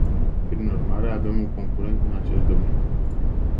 Prin urmare, avem un concurent în acest domeniu.